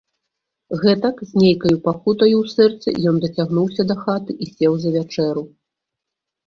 Гэтак, з нейкаю пакутаю ў сэрцы, ён дацягнуўся дахаты i сеў за вячэру...